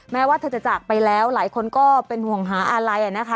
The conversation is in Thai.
แม้ว่าเธอจะจากไปแล้วหลายคนก็เป็นห่วงหาอะไรนะคะ